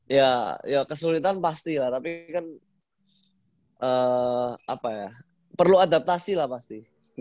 ya ya kesulitan pasti lah tapi kan apa ya perlu adaptasi lah pasti